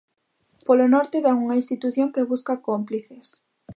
Polo norte vén unha institución que busca cómplices.